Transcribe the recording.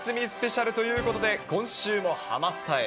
そして夏休みスペシャルということで、今週もハマスタへ。